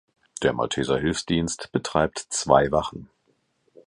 Der Malteser Hilfsdienst betreibt zwei Wachen.